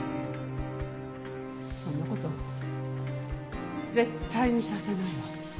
そんな事絶対にさせないわ。